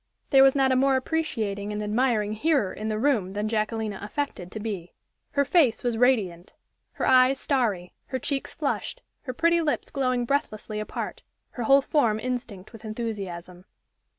There was not a more appreciating and admiring hearer in the room than Jacquelina affected to be. Her face was radiant, her eyes starry, her cheeks flushed, her pretty lips glowing breathlessly apart her whole form instinct with enthusiasm.